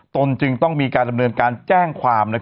ตนจึงต้องมีการดำเนินการแจ้งความ